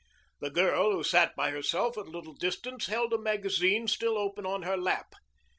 The girl who sat by herself at a little distance held a magazine still open on her lap.